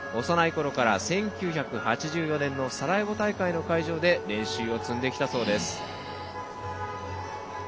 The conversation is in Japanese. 幼いころから、１９８４年のサラエボ大会の会場で練習を積んできたそうです。